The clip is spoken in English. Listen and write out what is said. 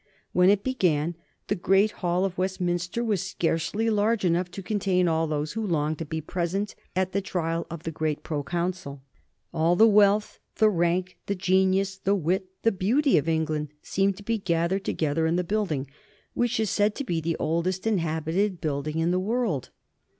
When it began, the Great Hall of Westminster was scarcely large enough to contain all those who longed to be present at the trial of the great proconsul. All the rank, the wealth, the genius, the wit, the beauty of England seemed to be gathered together in the building, which is said to be the oldest inhabited building in the world.